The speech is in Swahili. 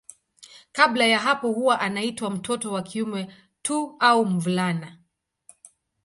Kabla ya hapo huwa anaitwa mtoto wa kiume tu au mvulana.